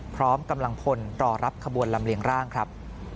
พร้อมกำลังพลรอรับขบวนลำเลียงร่างครับ